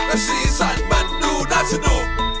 และสีสันมันดูน่าสนุก